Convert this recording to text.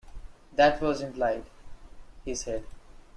"That was implied," he said.